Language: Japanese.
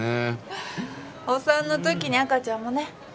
お産の時に赤ちゃんもね。